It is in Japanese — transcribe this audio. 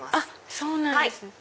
そうなんですね。